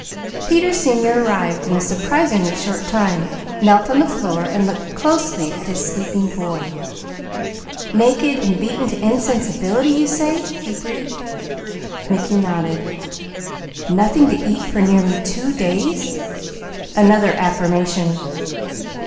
Peter Senior arrived in a surprisingly short time, knelt on the floor and looked closely at his sleeping boy. "Naked and beaten to insensibility, you say?" Mickey nodded. "Nothing to eat for nearly two days?" Another affirmation.